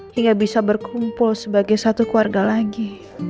hingga bisa berkumpul sebagai satu keluarga lagi